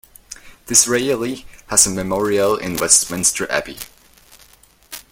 Disraeli has a memorial in Westminster Abbey.